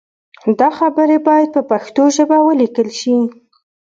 دا خبرې باید په پښتو ژبه ولیکل شي.